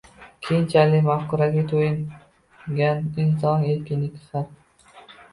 keyinchalik mafkuraga to‘yingan inson erkinlikning har